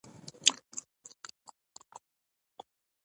• د انسان ږغ د ارتباط وسیله ده.